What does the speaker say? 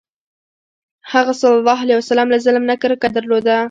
هغه ﷺ له ظلم نه کرکه درلوده.